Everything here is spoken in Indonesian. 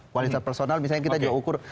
kualitas personal misalnya kita juga ukur